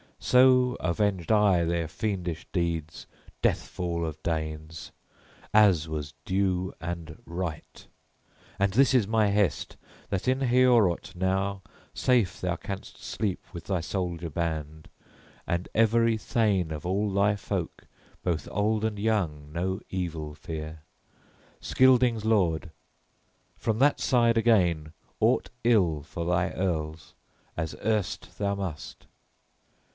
So avenged I their fiendish deeds death fall of Danes, as was due and right. And this is my hest, that in Heorot now safe thou canst sleep with thy soldier band, and every thane of all thy folk both old and young; no evil fear, Scyldings' lord, from that side again, aught ill for thy earls, as erst thou must!"